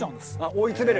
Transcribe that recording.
追い詰める？